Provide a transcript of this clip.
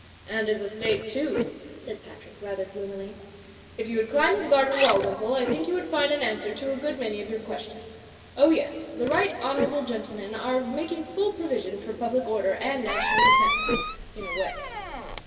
"And his estate, too," said Patrick, rather gloomily. "If you would climb his garden wall, Wimpole, I think you would find an answer to a good many of your questions. Oh, yes, the right honourable gentle men are making ftill provision for public order and national defence — in a way."